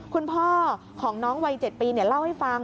คุณพ่อของน้องวัย๗ปีเล่าให้ฟัง